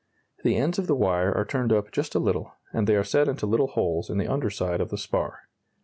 The ends of the wire are turned up just a little, and they are set into little holes in the under side of the spar.